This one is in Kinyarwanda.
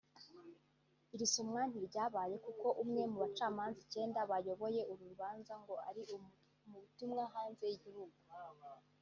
iri somwa ntiryabaye kuko umwe mu bacamanza icyenda bayoboye uru rubanza ngo ari mu butumwa hanze y’igihugu